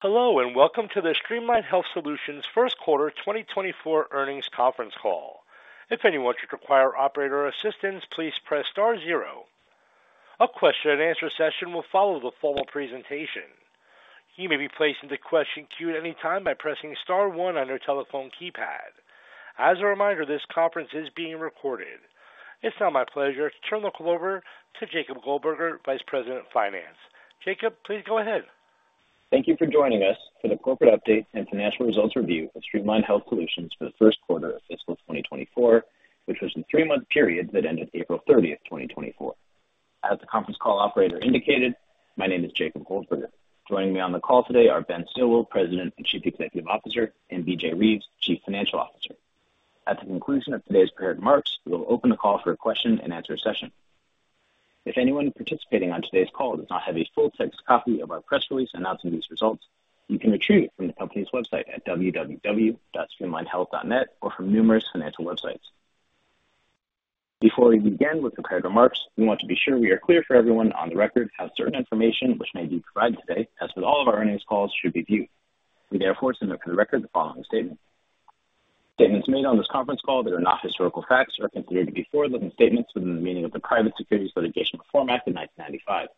Hello, and welcome to the Streamline Health Solutions first quarter 2024 earnings conference call. If anyone should require operator assistance, please press star zero. A question and answer session will follow the formal presentation. You may be placed into question queue at any time by pressing star one on your telephone keypad. As a reminder, this conference is being recorded. It's now my pleasure to turn the call over to Jacob Goldberger, Vice President of Finance. Jacob, please go ahead. Thank you for joining us for the corporate update and financial results review of Streamline Health Solutions for the first quarter of fiscal 2024, which was the three-month period that ended April 30th, 2024. As the conference call operator indicated, my name is Jacob Goldberger. Joining me on the call today are Ben Stilwill, President and Chief Executive Officer, and B.J. Reeves, Chief Financial Officer. At the conclusion of today's prepared remarks, we will open the call for a question and answer session. If anyone participating on today's call does not have a full text copy of our press release announcing these results, you can retrieve it from the company's website at www.streamlinehealth.net or from numerous financial websites. Before we begin with the prepared remarks, we want to be sure we are clear for everyone on the record how certain information which may be provided today, as with all of our earnings calls, should be viewed. We therefore submit for the record the following statement. Statements made on this conference call that are not historical facts are considered to be forward-looking statements within the meaning of the Private Securities Litigation Reform Act of 1995.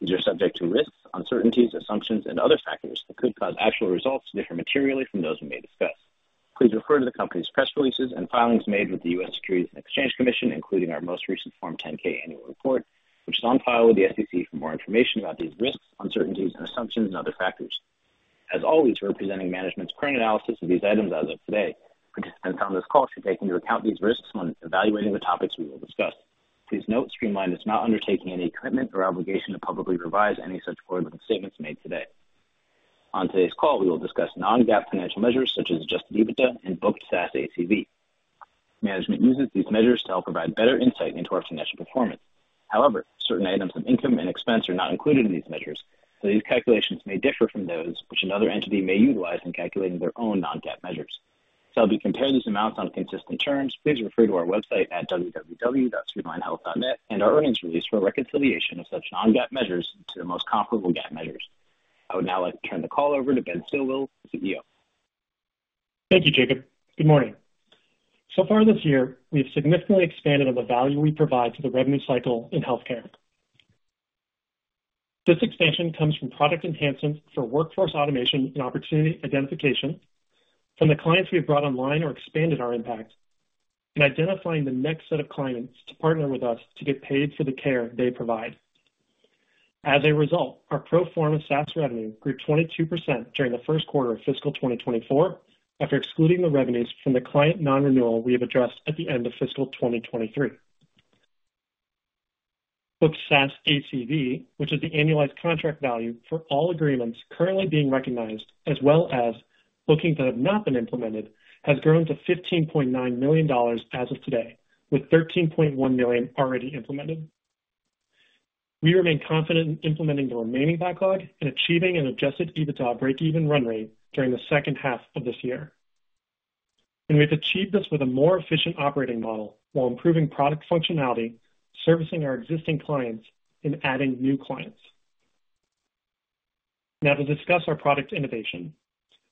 These are subject to risks, uncertainties, assumptions, and other factors that could cause actual results to differ materially from those we may discuss. Please refer to the company's press releases and filings made with the US Securities and Exchange Commission, including our most recent Form 10-K annual report, which is on file with the SEC for more information about these risks, uncertainties, and assumptions and other factors. As always, we're presenting management's current analysis of these items as of today. Participants on this call should take into account these risks when evaluating the topics we will discuss. Please note, Streamline is not undertaking any commitment or obligation to publicly revise any such forward-looking statements made today. On today's call, we will discuss non-GAAP financial measures such as Adjusted EBITDA and Booked SaaS ACV. Management uses these measures to help provide better insight into our financial performance. However, certain items of income and expense are not included in these measures, so these calculations may differ from those which another entity may utilize in calculating their own non-GAAP measures. If you compare these amounts on consistent terms, please refer to our website at www.streamlinehealth.net and our earnings release for a reconciliation of such non-GAAP measures to the most comparable GAAP measures. I would now like to turn the call over to Ben Stilwill, CEO. Thank you, Jacob. Good morning. So far this year, we have significantly expanded on the value we provide to the revenue cycle in healthcare. This expansion comes from product enhancements for workforce automation and opportunity identification, from the clients we have brought online or expanded our impact, and identifying the next set of clients to partner with us to get paid for the care they provide. As a result, our pro forma SaaS revenue grew 22% during the first quarter of fiscal 2024, after excluding the revenues from the client non-renewal we have addressed at the end of fiscal 2023. Booked SaaS ACV, which is the annualized contract value for all agreements currently being recognized, as well as bookings that have not been implemented, has grown to $15.9 million as of today, with $13.1 million already implemented. We remain confident in implementing the remaining backlog and achieving an Adjusted EBITDA break-even run rate during the second half of this year. We've achieved this with a more efficient operating model while improving product functionality, servicing our existing clients, and adding new clients. Now to discuss our product innovation.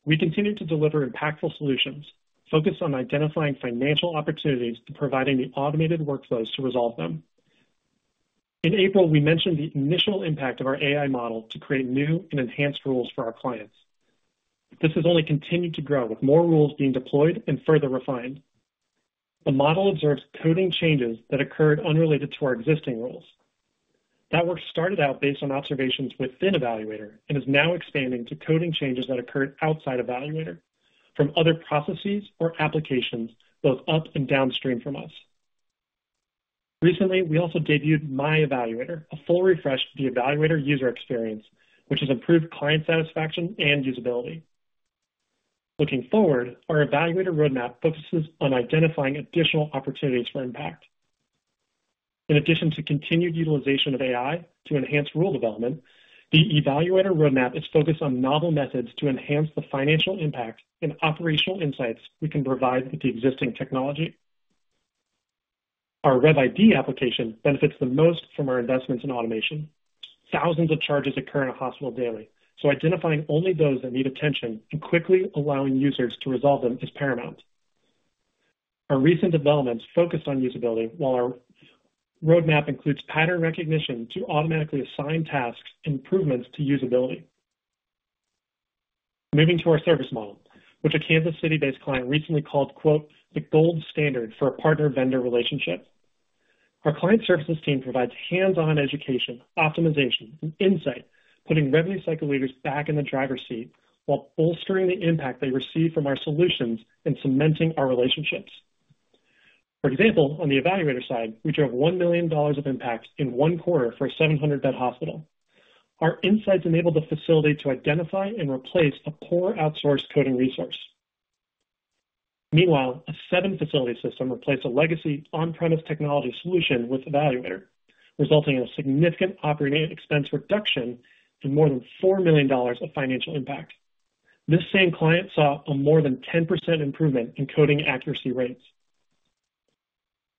We continue to deliver impactful solutions focused on identifying financial opportunities to providing the automated workflows to resolve them. In April, we mentioned the initial impact of our AI model to create new and enhanced rules for our clients. This has only continued to grow, with more rules being deployed and further refined. The model observes coding changes that occurred unrelated to our existing rules. That work started out based on observations within eValuator and is now expanding to coding changes that occurred outside eValuator from other processes or applications, both up and downstream from us. Recently, we also debuted My eValuator, a full refresh to the eValuator user experience, which has improved client satisfaction and usability. Looking forward, our eValuator roadmap focuses on identifying additional opportunities for impact. In addition to continued utilization of AI to enhance rule development, the eValuator roadmap is focused on novel methods to enhance the financial impact and operational insights we can provide with the existing technology. Our RevID application benefits the most from our investments in automation. Thousands of charges occur in a hospital daily, so identifying only those that need attention and quickly allowing users to resolve them is paramount. Our recent developments focus on usability, while our roadmap includes pattern recognition to automatically assign tasks and improvements to usability. Moving to our service model, which a Kansas City-based client recently called, quote, "the gold standard for a partner-vendor relationship." Our client services team provides hands-on education, optimization, and insight, putting revenue cycle leaders back in the driver's seat while bolstering the impact they receive from our solutions and cementing our relationships. For example, on the eValuator side, we drove $1 million of impact in one quarter for a 700-bed hospital. Our insights enabled the facility to identify and replace a poor outsourced coding resource. Meanwhile, a seven facility system replaced a legacy on-premise technology solution with eValuator, resulting in a significant operating expense reduction and more than $4 million of financial impact. This same client saw a more than 10% improvement in coding accuracy rates.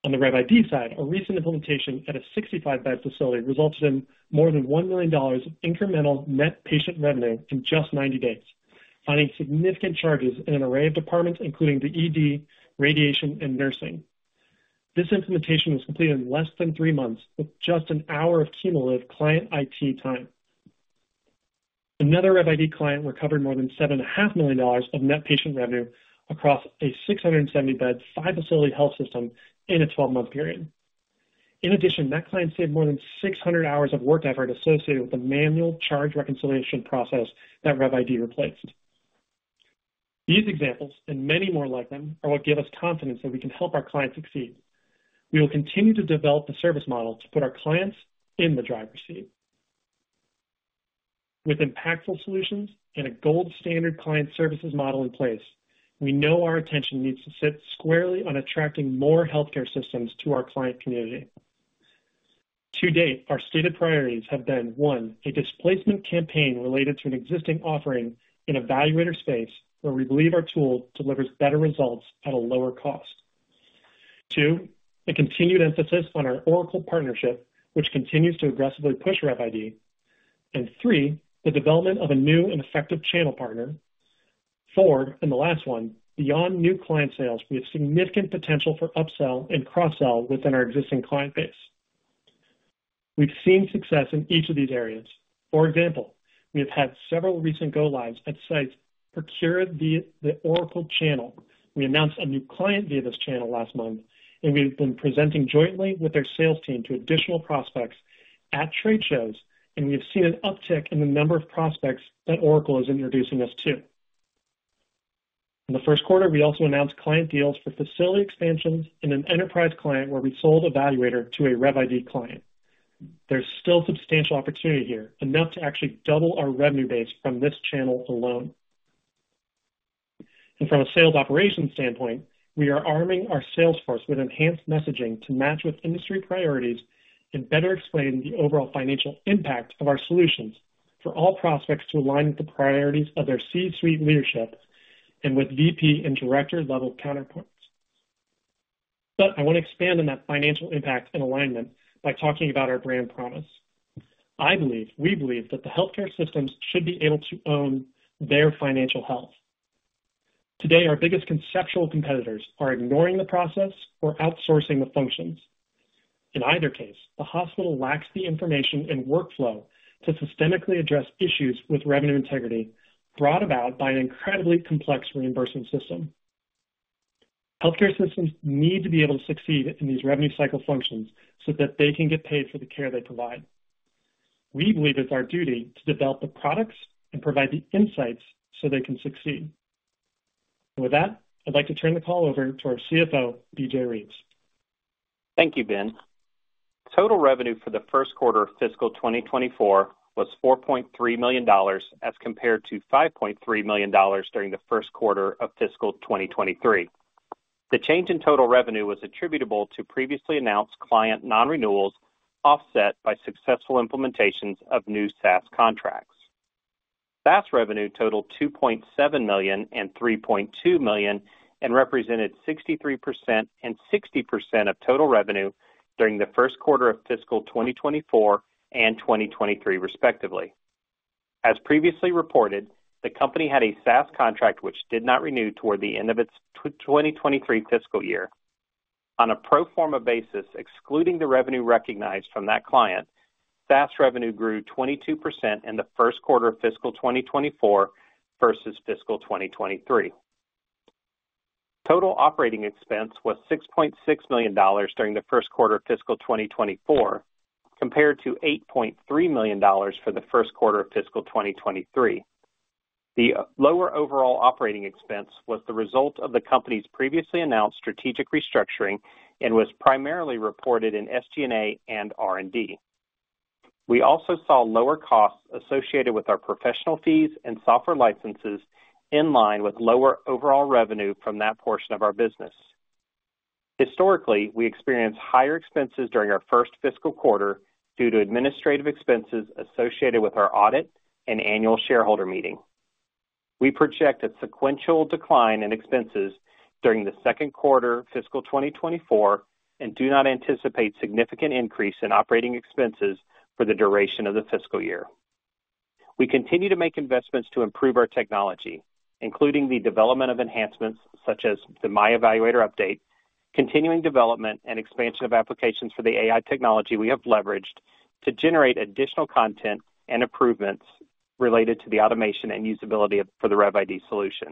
On the RevID side, a recent implementation at a 65 bed facility resulted in more than $1 million of incremental net patient revenue in just 90 days, finding significant charges in an array of departments, including the ED, radiation, and nursing. This implementation was completed in less than three months, with just one hour of cumulative client IT time. Another RevID client recovered more than $7.5 million of net patient revenue across a 670-bed, five facility health system in a 12-month period. In addition, that client saved more than 600 hours of work effort associated with the manual charge reconciliation process that RevID replaced. These examples, and many more like them, are what give us confidence that we can help our clients succeed. We will continue to develop the service model to put our clients in the driver's seat. With impactful solutions and a gold standard client services model in place, we know our attention needs to sit squarely on attracting more healthcare systems to our client community. To date, our stated priorities have been, One, a displacement campaign related to an existing offering in eValuator space, where we believe our tool delivers better results at a lower cost. Two, a continued emphasis on our Oracle partnership, which continues to aggressively push RevID. And Three, the development of a new and effective channel partner. Four, and the last one, beyond new client sales, we have significant potential for upsell and cross-sell within our existing client base. We've seen success in each of these areas. For example, we have had several recent go lives at sites procured via the Oracle channel. We announced a new client via this channel last month, and we've been presenting jointly with their sales team to additional prospects at trade shows, and we have seen an uptick in the number of prospects that Oracle is introducing us to. In the first quarter, we also announced client deals for facility expansions and an enterprise client where we sold eValuator to a RevID client. There's still substantial opportunity here, enough to actually double our revenue base from this channel alone. From a sales operations standpoint, we are arming our sales force with enhanced messaging to match with industry priorities and better explain the overall financial impact of our solutions for all prospects to align with the priorities of their C-suite leadership and with VP and director-level counterparts. I want to expand on that financial impact and alignment by talking about our brand promise. I believe, we believe, that the healthcare systems should be able to own their financial health. Today, our biggest conceptual competitors are ignoring the process or outsourcing the functions. In either case, the hospital lacks the information and workflow to systemically address issues with revenue integrity brought about by an incredibly complex reimbursement system. Healthcare systems need to be able to succeed in these revenue cycle functions so that they can get paid for the care they provide. We believe it's our duty to develop the products and provide the insights so they can succeed. With that, I'd like to turn the call over to our CFO, B.J. Reeves. Thank you, Ben. Total revenue for the first quarter of fiscal 2024 was $4.3 million, as compared to $5.3 million during the first quarter of fiscal 2023. The change in total revenue was attributable to previously announced client non-renewals, offset by successful implementations of new SaaS contracts. SaaS revenue totaled $2.7 million and $3.2 million, and represented 63% and 60% of total revenue during the first quarter of fiscal 2024 and 2023, respectively. As previously reported, the company had a SaaS contract which did not renew toward the end of its 2023 fiscal year. On a pro forma basis, excluding the revenue recognized from that client, SaaS revenue grew 22% in the first quarter of fiscal 2024 versus fiscal 2023. Total operating expense was $6.6 million during the first quarter of fiscal 2024, compared to $8.3 million for the first quarter of fiscal 2023. The lower overall operating expense was the result of the company's previously announced strategic restructuring and was primarily reported in SG&A and R&D. We also saw lower costs associated with our professional fees and software licenses, in line with lower overall revenue from that portion of our business. Historically, we experience higher expenses during our first fiscal quarter due to administrative expenses associated with our audit and annual shareholder meeting. We project a sequential decline in expenses during the second quarter fiscal 2024 and do not anticipate significant increase in operating expenses for the duration of the fiscal year. We continue to make investments to improve our technology, including the development of enhancements such as the My eValuator update, continuing development and expansion of applications for the AI technology we have leveraged to generate additional content and improvements related to the automation and usability for the RevID solution.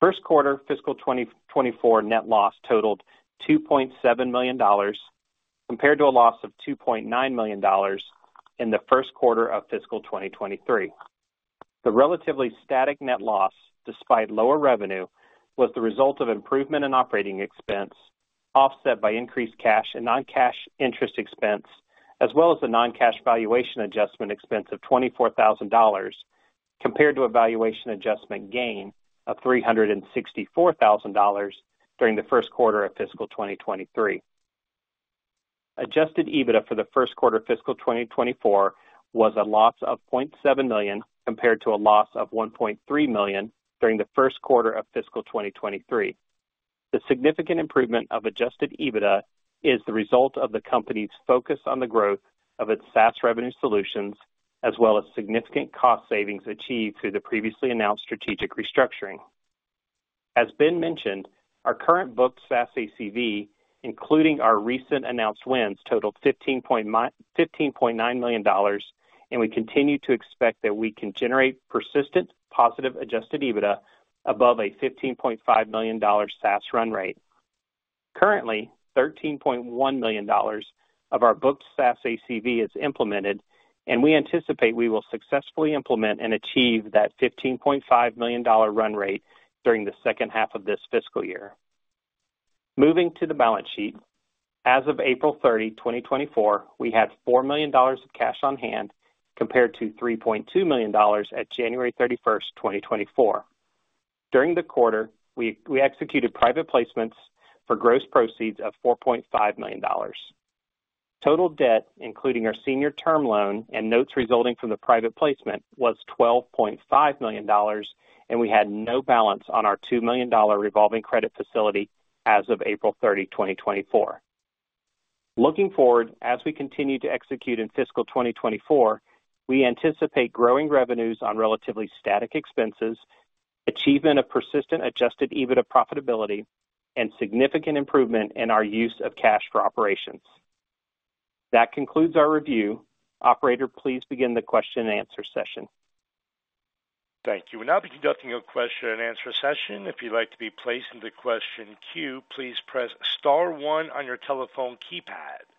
First quarter fiscal 2024 net loss totaled $2.7 million, compared to a loss of $2.9 million in the first quarter of fiscal 2023. The relatively static net loss, despite lower revenue, was the result of improvement in operating expense, offset by increased cash and non-cash interest expense, as well as the non-cash valuation adjustment expense of $24,000, compared to a valuation adjustment gain of $364,000 during the first quarter of fiscal 2023. Adjusted EBITDA for the first quarter of fiscal 2024 was a loss of $0.7 million, compared to a loss of $1.3 million during the first quarter of fiscal 2023. The significant improvement of adjusted EBITDA is the result of the company's focus on the growth of its SaaS revenue solutions, as well as significant cost savings achieved through the previously announced strategic restructuring. As Ben mentioned, our current booked SaaS ACV, including our recent announced wins, totaled $15.9 million, and we continue to expect that we can generate persistent positive adjusted EBITDA above a $15.5 million SaaS run rate. Currently, $13.1 million of our booked SaaS ACV is implemented, and we anticipate we will successfully implement and achieve that $15.5 million run rate during the second half of this fiscal year. Moving to the balance sheet, as of April 30, 2024, we had $4 million of cash on hand, compared to $3.2 million at January 31st, 2024. During the quarter, we executed private placements for gross proceeds of $4.5 million. Total debt, including our senior term loan and notes resulting from the private placement, was $12.5 million, and we had no balance on our $2 million revolving credit facility as of April 30, 2024. Looking forward, as we continue to execute in fiscal 2024, we anticipate growing revenues on relatively static expenses, achievement of persistent Adjusted EBITDA profitability, and significant improvement in our use of cash for operations. That concludes our review. Operator, please begin the question and answer session. Thank you. We'll now be conducting a question and answer session. If you'd like to be placed into the question queue, please press star one on your telephone keypad.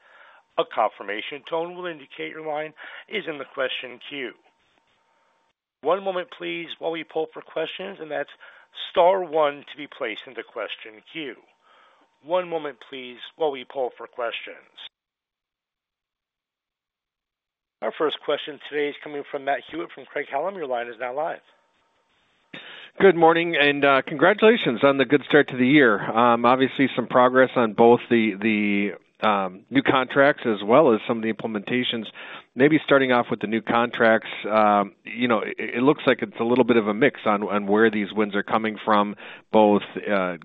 A confirmation tone will indicate your line is in the question queue. One moment please while we poll for questions, and that's star one to be placed into question queue. One moment, please, while we poll for questions. Our first question today is coming from Matt Hewitt from Craig-Hallum. Your line is now live. Good morning, and, congratulations on the good start to the year. Obviously some progress on both the new contracts as well as some of the implementations. Maybe starting off with the new contracts, you know, it looks like it's a little bit of a mix on where these wins are coming from, both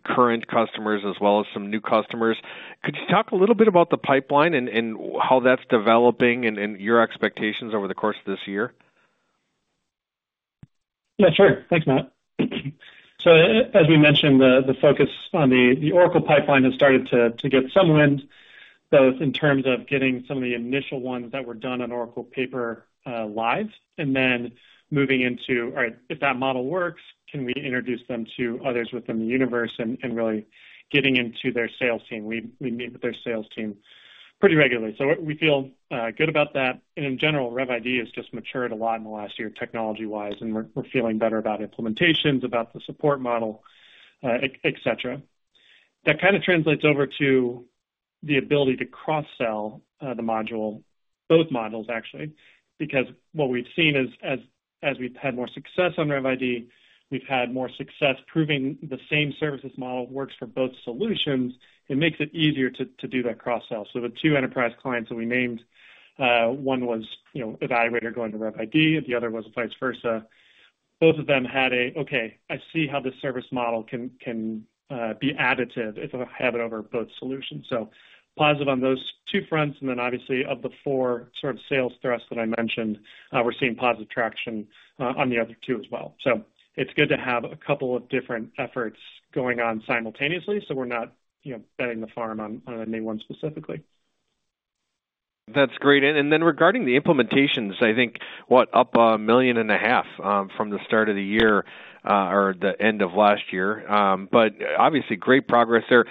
current customers as well as some new customers. Could you talk a little bit about the pipeline and how that's developing and your expectations over the course of this year? Yeah, sure. Thanks, Matt. So as we mentioned, the focus on the Oracle pipeline has started to get some wind, both in terms of getting some of the initial ones that were done on Oracle paper, live, and then moving into, "All right, if that model works, can we introduce them to others within the universe?" And really getting into their sales team. We meet with their sales team pretty regularly, so we feel good about that. And in general, RevID has just matured a lot in the last year, technology-wise, and we're feeling better about implementations, about the support model, etc. That kind of translates over to the ability to cross-sell the module, both modules, actually, because what we've seen is, as we've had more success on RevID, we've had more success proving the same services model works for both solutions. It makes it easier to do that cross-sell. So the two enterprise clients that we named, one was, you know, eValuator going to RevID, and the other was vice versa. Both of them had a, "Okay, I see how this service model can be additive if I have it over both solutions." So positive on those two fronts, and then obviously, of the four sort of sales thrusts that I mentioned, we're seeing positive traction on the other two as well. It's good to have a couple of different efforts going on simultaneously, so we're not, you know, betting the farm on any one specifically. That's great. And then regarding the implementations, I think, what, up $1.5 million from the start of the year or the end of last year, but obviously, great progress there.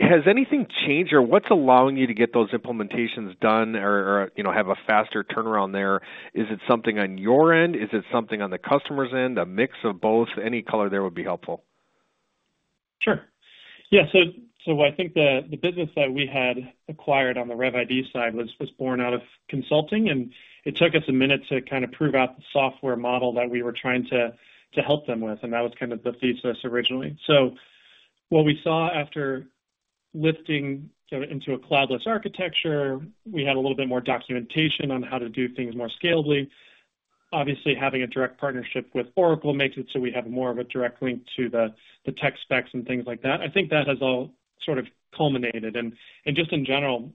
Has anything changed or what's allowing you to get those implementations done or, you know, have a faster turnaround there? Is it something on your end? Is it something on the customer's end, a mix of both? Any color there would be helpful. Sure. Yeah, so I think the business that we had acquired on the RevID side was born out of consulting, and it took us a minute to kind of prove out the software model that we were trying to help them with, and that was kind of the thesis originally. So what we saw after lifting kind of into a cloudless architecture, we had a little bit more documentation on how to do things more scalably. Obviously, having a direct partnership with Oracle makes it so we have more of a direct link to the tech specs and things like that. I think that has all sort of culminated, and just in general,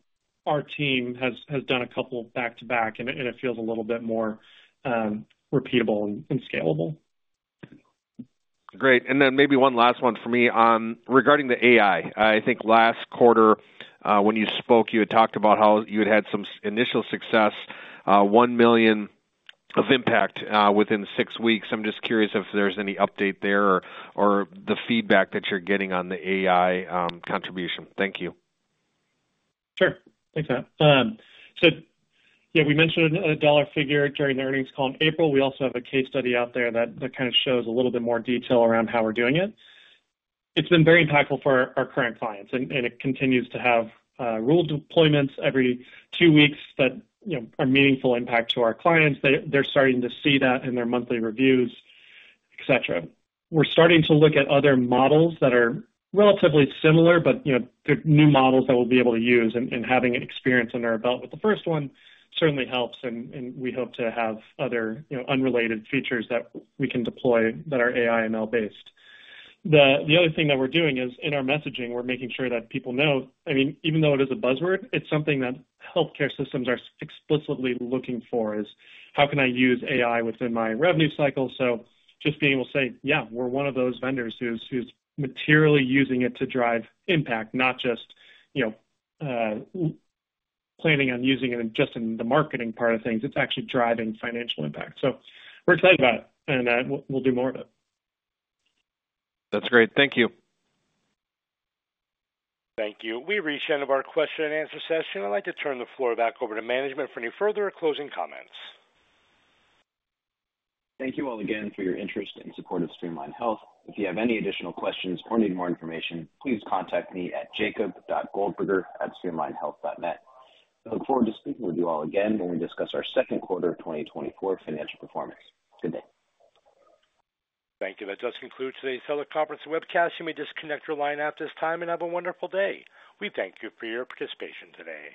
our team has done a couple back-to-back, and it feels a little bit more repeatable and scalable. Great. And then maybe one last one for me. Regarding the AI, I think last quarter, when you spoke, you had talked about how you had had some initial success, $1 million of impact, within six weeks. I'm just curious if there's any update there or the feedback that you're getting on the AI contribution. Thank you. Sure. Thanks, Matt. So yeah, we mentioned a dollar figure during the earnings call in April. We also have a case study out there that kind of shows a little bit more detail around how we're doing it. It's been very impactful for our current clients, and it continues to have rule deployments every two weeks that, you know, are meaningful impact to our clients. They're starting to see that in their monthly reviews, et cetera. We're starting to look at other models that are relatively similar, but, you know, they're new models that we'll be able to use, and having an experience under our belt with the first one certainly helps, and we hope to have other, you know, unrelated features that we can deploy that are AI and ML based. The other thing that we're doing is, in our messaging, we're making sure that people know, I mean, even though it is a buzzword, it's something that healthcare systems are explicitly looking for, is how can I use AI within my revenue cycle? So just being able to say, "Yeah, we're one of those vendors who's materially using it to drive impact," not just, you know, planning on using it in just the marketing part of things. It's actually driving financial impact. So we're excited about it, and we'll do more of it. That's great. Thank you. Thank you. We've reached the end of our question and answer session. I'd like to turn the floor back over to management for any further closing comments. Thank you all again for your interest and support of Streamline Health. If you have any additional questions or need more information, please contact me at jacob.goldberger@streamlinehealth.net. I look forward to speaking with you all again when we discuss our second quarter of 2024 financial performance. Good day. Thank you. That does conclude today's teleconference and webcast. You may disconnect your line at this time and have a wonderful day. We thank you for your participation today.